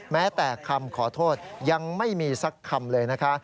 แม้แต่คำขอโทษยังไม่มีสักคำเลยนะคะ